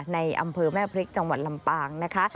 ในอำเภอแม่พริกจังหวัดลำปางนะคะ